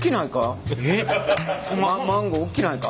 マンゴーおっきないか？